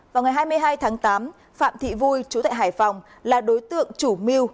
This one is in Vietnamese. vào ngày hai mươi hai tháng tám phạm thị vui trú tại hải phòng là đối tượng chủ miu